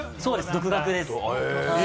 独学です。